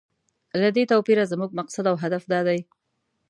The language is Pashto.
له دې توپیره زموږ مقصد او هدف دا دی.